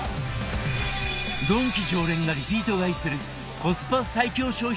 ドンキ常連がリピート買いするコスパ最強商品